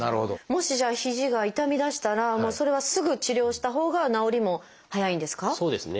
もしじゃあ肘が痛みだしたらもうそれはすぐ治療したほうが治りも早いんですか？